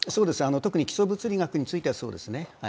特に基礎物理学についてはそうですね。